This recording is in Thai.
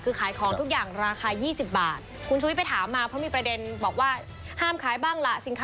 คือขายของทุกอย่างราคา๒๐บาท